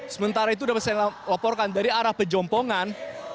sementara itu sudah bisa saya laporkan dari arah pejompongan